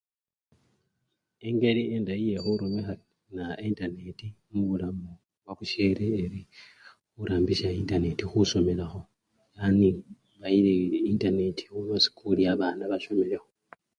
Engeli endayi yekhurumikha naa! entaneti mubulamu bwabusyele, ee! khurambisya entaneti khusomelakho yani! yani entaneti neba khusikuli babana basomelakho.